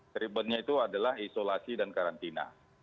treatmentnya itu adalah isolasi dan karantina